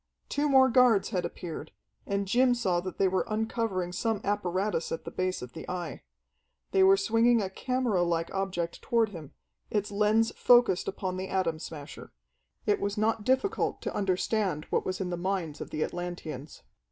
Two more guards had appeared, and Jim saw that they were uncovering some apparatus at the base of the Eye. They were swinging a camera like object toward him, its lens focused upon the Atom Smasher. It was not difficult to understand what was in the minds of the Atlanteans.